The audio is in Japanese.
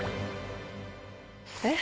えっ？